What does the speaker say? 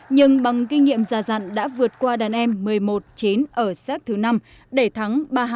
nhưng bằng kinh nghiệm già dặn đã vượt qua đàn em một mươi một chín ở sát thứ năm để thắng ba hai